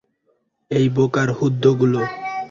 এই বোকার হদ্দগুলো।